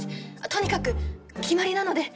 とにかく決まりなので。